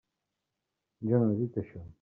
Jo no he dit això.